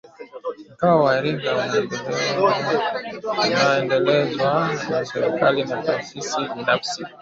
mkoa wa iringa unaendelezwa na serikali na taasisi binafsi